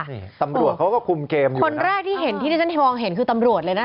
นี่ตำรวจเขาก็คุมเกมอยู่นะครับคนแรกที่เห็นที่ดิจันทร์ธิวองค์เห็นคือตำรวจเลยนะ